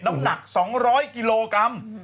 น้ำหนัก๒๐๐กิโลกรัม